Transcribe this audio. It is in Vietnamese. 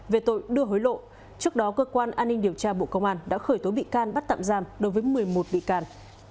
về tội đưa hối lộ trước đó cơ quan an ninh điều tra bộ công an đã khởi tố bị can bắt tạm giam đối với một mươi một bị can